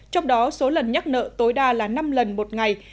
trong đó số lần nhắc nợ tối đa là năm lần một ngày